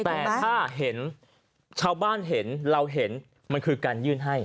แต่ถ้าเห็นชาวบ้านเห็นเราเห็นมันคือการยื่นให้